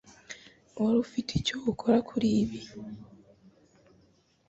Wari ufite icyo ukora kuri ibi?